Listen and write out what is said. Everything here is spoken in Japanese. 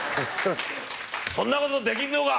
そんなことできんのか！